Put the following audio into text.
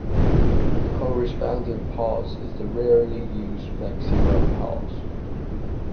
The corresponding pause is the rarely used maxima pause.